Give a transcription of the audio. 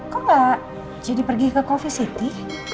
kok gak jadi pergi ke coffee city